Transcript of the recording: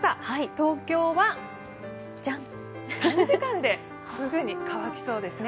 東京は３時間で、すぐに乾きそうですね。